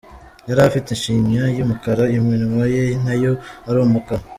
Yari afite ishinya y’umukara, iminwa ye nayo ari umukara.